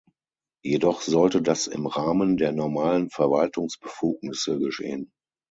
Jedoch sollte das im Rahmen der normalen Verwaltungsbefugnisse geschehen.